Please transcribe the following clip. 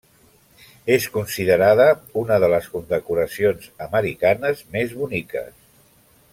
És considerada una de les condecoracions americanes més boniques.